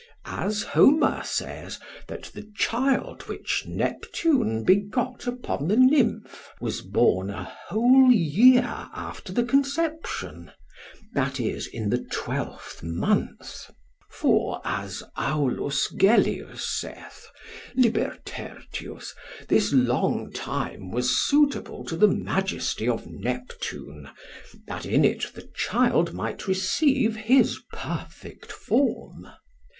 As Homer says, that the child, which Neptune begot upon the nymph, was born a whole year after the conception, that is, in the twelfth month. For, as Aulus Gellius saith, lib. 3, this long time was suitable to the majesty of Neptune, that in it the child might receive his perfect form.